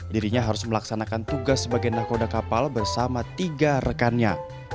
dirinya harus melaksanakan tugas sebagai nahkoda kapal bersama tiga rekannya